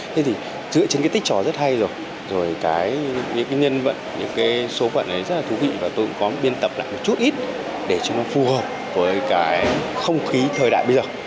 thế thì dựa trên cái tích trò rất hay rồi rồi những nhân vật những số vật rất là thú vị và tôi cũng có biên tập lại một chút ít để cho nó phù hợp với cái không khí thời đại bây giờ